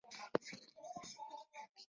例如促进武器进入该地区。